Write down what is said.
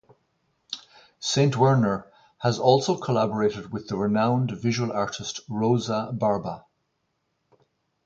Saint Werner has also collaborated with the renowned visual artist Rosa Barba.